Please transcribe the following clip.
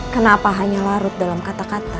kenapa hanya larut dalam kata kata